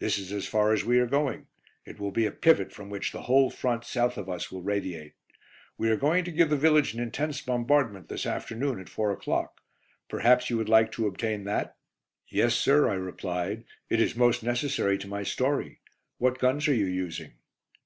This is as far as we are going; it will be a pivot from which the whole front south of us will radiate. We are going to give the village an intense bombardment this afternoon, at 4 o'clock; perhaps you would like to obtain that?" "Yes, sir," I replied, "it is most necessary to my story. What guns are you using?"